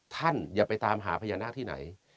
อย่าไปตามหาพญานาคที่ไหน